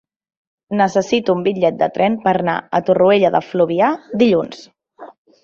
Necessito un bitllet de tren per anar a Torroella de Fluvià dilluns.